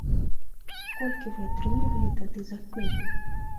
Колькі вы атрымлівалі тады за кнігу?